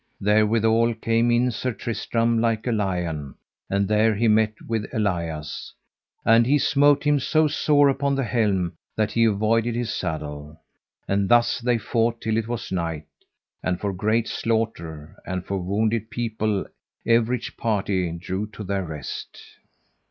Therewithal came in Sir Tristram like a lion, and there he met with Elias, and he smote him so sore upon the helm that he avoided his saddle. And thus they fought till it was night, and for great slaughter and for wounded people everych party drew to their rest.